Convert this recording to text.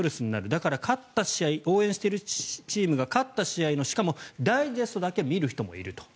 だから、勝った試合応援しているチームが勝った試合のしかも、ダイジェストだけ見る人もいると。